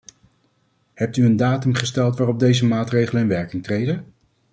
Hebt u een datum gesteld waarop deze maatregelen in werking treden?